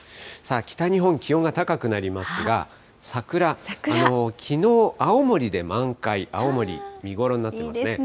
北日本、気温が高くなりますが、桜、きのう青森で満開、青森、見いいですね。